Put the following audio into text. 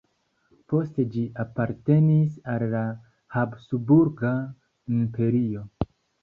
Poste ĝi apartenis al la Habsburga Imperio.